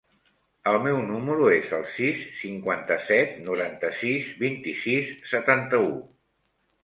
El meu número es el sis, cinquanta-set, noranta-sis, vint-i-sis, setanta-u.